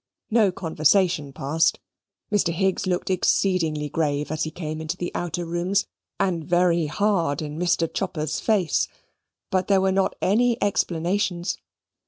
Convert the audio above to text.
No conversation passed. Mr. Higgs looked exceedingly grave as he came into the outer rooms, and very hard in Mr. Chopper's face; but there were not any explanations.